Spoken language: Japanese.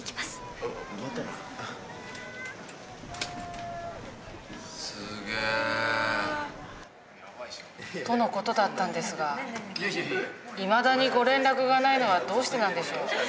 すげ。との事だったんですがいまだにご連絡がないのはどうしてなんでしょう？